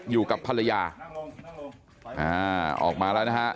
อยู่กับภรรยาอ่าออกมาแล้วนะฮะ